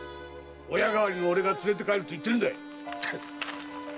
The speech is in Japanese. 親代わりの俺が連れて帰ると言ってるんだ！